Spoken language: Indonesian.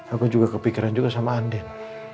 aku juga kepikiran juga sama andin